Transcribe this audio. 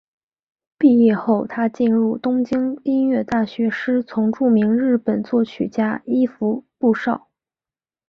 毕业后她进入东京音乐大学师从著名日本作曲家伊福部昭。